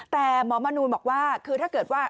แต่หมอมนูนบอกว่าคือถ้าเกิดว่า